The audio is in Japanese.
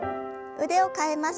腕を替えます。